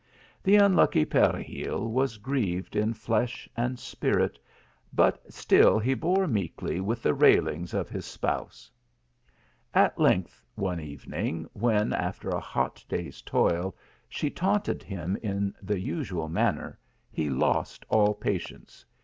The unlucky Peregil was grieved in flesh and spirit, but still he bore meekly with the railings of his spouse. At length one evening, when, after a hot clay s toil, she taunted him in the usual manner, he lost all patience.